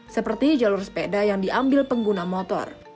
seperti jalur sepeda yang diambil pengguna motor